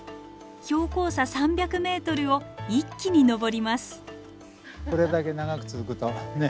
標高差３００ｍを一気に登ります。